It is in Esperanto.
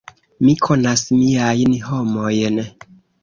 Mi konas miajn homojn.